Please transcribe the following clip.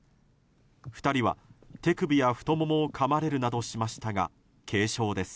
２人は手首や太ももをかまれるなどしましたが軽傷です。